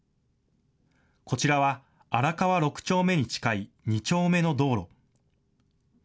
こちらは荒川６丁目に近い２丁目の道路。